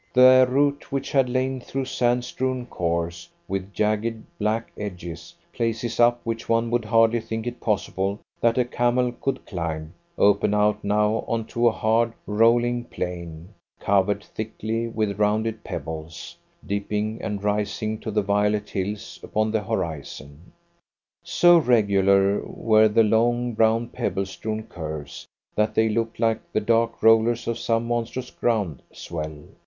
Their route, which had lain through sand strewn khors with jagged, black edges places up which one would hardly think it possible that a camel could climb opened out now on to a hard, rolling plain, covered thickly with rounded pebbles, dipping and rising to the violet hills upon the horizon. So regular were the long, brown pebble strewn curves, that they looked like the dark rollers of some monstrous ground swell.